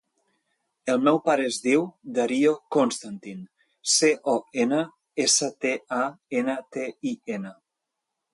El meu pare es diu Dario Constantin: ce, o, ena, essa, te, a, ena, te, i, ena.